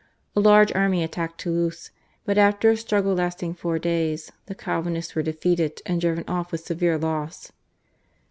A large army attacked Toulouse, but after a struggle lasting four days the Calvinists were defeated and driven off with severe loss.